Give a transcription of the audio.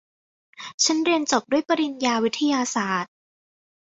ฉันเรียนจบด้วยปริญญาวิทยาศาสตร์